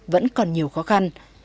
vẫn còn nhiều khó khăn